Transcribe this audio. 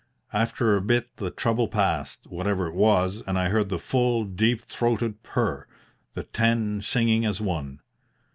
After a bit the trouble passed, whatever it was, and I heard the full, deep throated purr the ten singing as one.